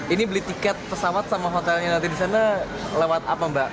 ini beli tiket pesawat sama hotelnya nanti di sana lewat apa mbak